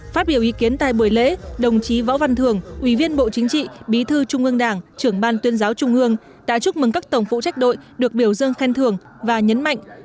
phát biểu ý kiến tại buổi lễ đồng chí võ văn thường ủy viên bộ chính trị bí thư trung ương đảng trưởng ban tuyên giáo trung ương đã chúc mừng các tổng phụ trách đội được biểu dương khen thường và nhấn mạnh